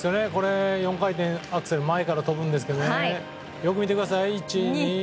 ４回転アクセル前から跳ぶんですけどよく見てください。